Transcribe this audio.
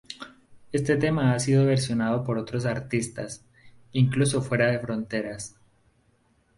Este tema ha sido versionado por otros artistas, incluso fuera de fronteras.